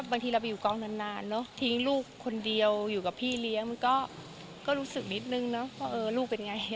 มีคุณติดต่อมาไหมครับตั๊ก